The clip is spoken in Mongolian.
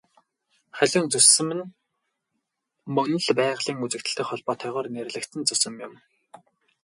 Халиун зүсэм нь мөн л байгалийн үзэгдэлтэй холбоотойгоор нэрлэгдсэн зүсэм юм.